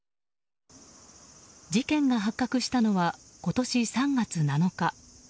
事件が発覚したのは今年３月７日。